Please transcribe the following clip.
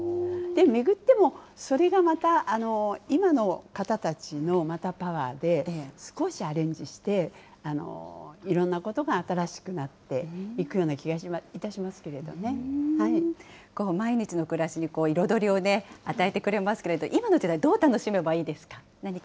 巡ってもそれがまた、今の方たちのまたパワーで、少しアレンジして、いろんなことが新しくなっていくような気がいたしますけれど毎日の暮らしに彩りを与えてくれますけれども、今の時代、どう楽しめばいいですか？